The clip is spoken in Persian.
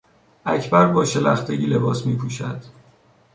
اکبر با شلختگی لباس میپوشد.